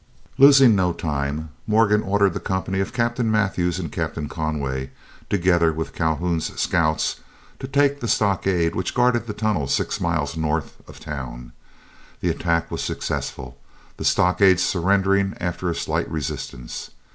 Losing no time, Morgan ordered the companies of Captain Mathews and Captain Conway, together with Calhoun's scouts, to take the stockade which guarded the tunnel six miles north of town. The attack was successful, the stockade surrendering after a slight resistance.